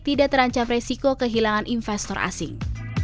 tidak terancam resiko kehilangan investor asing